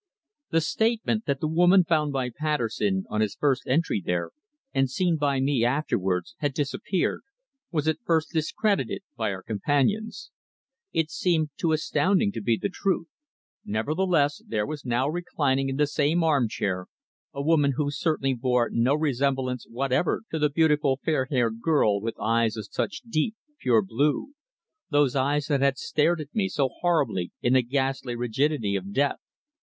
The statement that the woman found by Patterson on his first entry there, and seen by me afterwards, had disappeared, was at first discredited by our companions. It seemed too astounding to be the truth, nevertheless there was now reclining in the same armchair a woman who certainly bore no resemblance whatever to the beautiful, fair haired girl with eyes of such deep, pure blue those eyes that had stared at me so horribly in the ghastly rigidity of death.